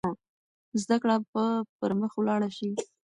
زده کړه به پرمخ ولاړه شي.